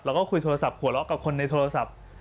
แล้วก็คุยโทรศัพท์หัวเราะกับคนในโทรศัพท์